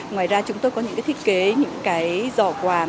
ngoài ra chúng tôi có những cái thiết kế những cái giỏ quà